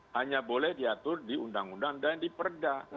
hanya boleh diatur di undang undang dan di perda